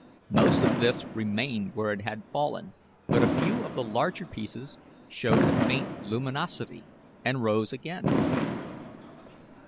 Most of this remained where it had fallen, but a few of the larger pieces showed a faint luminosity and rose again.